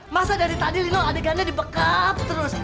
masa dari tadi bilang adegannya dibekap terus